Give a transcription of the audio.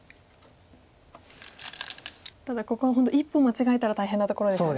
ただここは本当一歩間違えたら大変なところですよね。